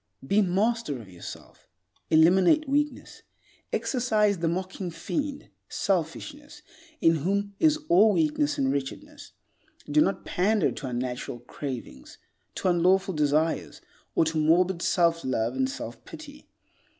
Be master of yourself. Eliminate weakness. Exorcise the mocking fiend, selfishness, in whom is all weakness and wretchedness. Do not pander to unnatural cravings, to unlawful desires, or to morbid self love and self pity.